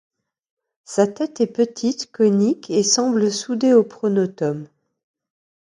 Sa tête est petite, conique, et semble soudé au pronotum.